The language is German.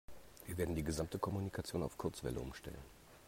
Wir werden die gesamte Kommunikation auf Kurzwelle umstellen.